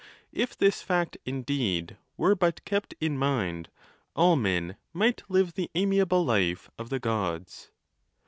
If this fact, indeed, were but kept in. mind, all men might live the amiable life of the gods.